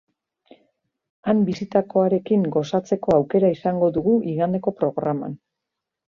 Han bizitakoarekin gozatzeko aukera izango dugu igandeko programan.